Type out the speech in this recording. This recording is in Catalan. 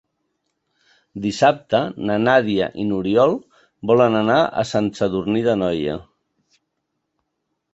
Dissabte na Nàdia i n'Oriol volen anar a Sant Sadurní d'Anoia.